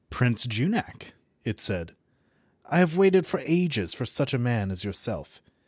"Prince Junak," it said, "I have waited for ages for such a man as yourself.